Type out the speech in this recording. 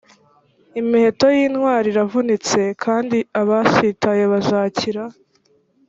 imiheto y intwari iravunitse kandi abasitaye bazakira